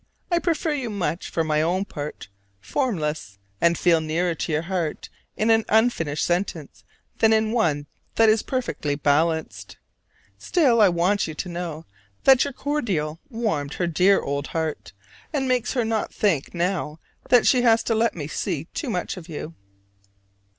I prefer you much, for my own part, formless: and feel nearer to your heart in an unfinished sentence than in one that is perfectly balanced. Still I want you to know that your cordial warmed her dear old heart and makes her not think now that she has let me see too much of you.